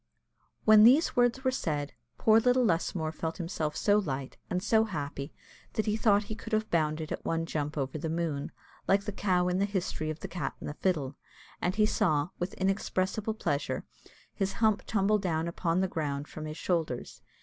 When these words were said, poor little Lusmore felt himself so light, and so happy, that he thought he could have bounded at one jump over the moon, like the cow in the history of the cat and the fiddle; and he saw, with inexpressible pleasure, his hump tumble down upon the ground from his shoulders.